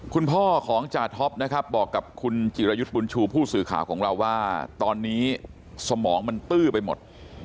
คุณพ่อของจาท็อปนะครับบอกกับคุณจิรยุทธ์บุญชูผู้สื่อข่าวของเราว่าตอนนี้สมองมันตื้อไปหมด